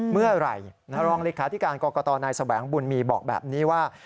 เมื่อไหร่รองรีคาที่การกรกตนายสวัสดิ์อังบุญมีบอกแบบนี้ว่า